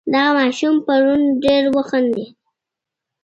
دغه ماشوم پرون ډېر وخندېدی.